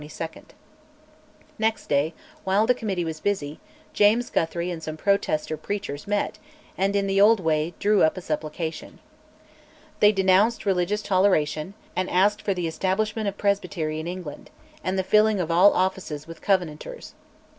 Next day, while the Committee was busy, James Guthrie and some Protester preachers met, and, in the old way, drew up a "supplication." They denounced religious toleration, and asked for the establishment of Presbytery in England, and the filling of all offices with Covenanters.